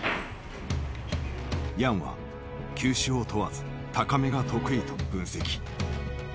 ヤンは球種を問わず高めが得意と分析。